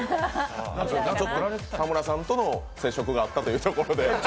ちょっと田村さんとの接触があったということで。